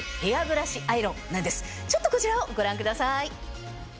ちょっとこちらをご覧ください。